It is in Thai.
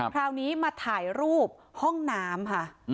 คราวนี้มาถ่ายรูปห้องน้ำค่ะ